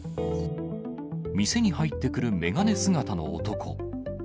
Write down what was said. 店に入ってくる眼鏡姿の男。